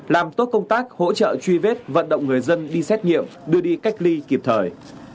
làm tốt công tác hỗ trợ truy vết vận động người dân đi xét nghiệm đưa đi cách ly kịp thời